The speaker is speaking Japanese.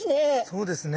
そうですね。